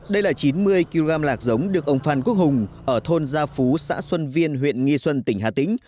đây là chín mươi kg lạc giống được ông phan quốc hùng ở thôn gia phú xã xuân viên huyện nghi xuân tỉnh hà tĩnh